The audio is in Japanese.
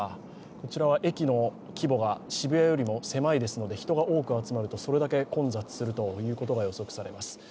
こちら駅の規模が渋谷よりも狭いですので人が多く集まると、それだけ混雑することが予測されます。